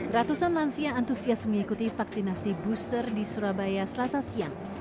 ratusan lansia antusias mengikuti vaksinasi booster di surabaya selasa siang